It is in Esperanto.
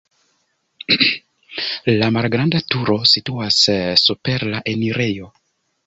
La malgranda turo situas super la enirejo.